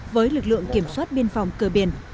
với lực lượng kiểm soát biên phòng cờ biển